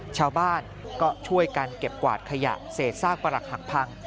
ชาวบ้านก็ช่วยกันเก็บกวาดขยะเศษซากประหลักหักพัง